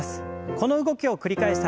この動きを繰り返した